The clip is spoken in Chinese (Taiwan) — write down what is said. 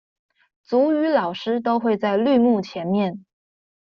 族語老師都會在綠幕前面